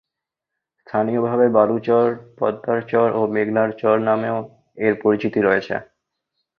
স্থানীয়ভাবে বালু চর, পদ্মার চর ও মেঘনার চর নামেও এর পরিচিতি রয়েছে।